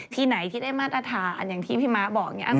ที่ไหนที่ได้มาตรฐานอย่างที่พี่ม้าบอกเนี่ย